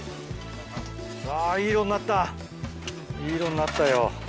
わぁいい色になったいい色になったよ。